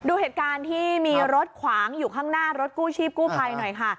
ดูเหตุการณ์ที่มีรถขวางอยู่ข้างหน้ารถกู้ชีพกู้ภัยหน่อยค่ะ